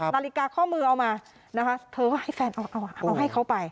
นาฬิกาข้อมือเอามานะคะเธอก็ให้แฟนเอาให้เขาไป